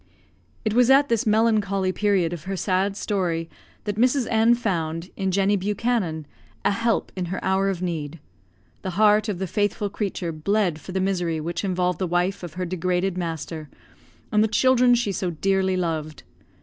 It was at this melancholy period of her sad history that Mrs. N found, in Jenny Buchanan, a help in her hour of need. The heart of the faithful creature bled for the misery which involved the wife of her degraded master, and the children she so dearly loved.